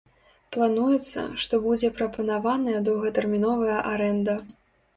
Плануецца, што будзе прапанаваная доўгатэрміновая арэнда.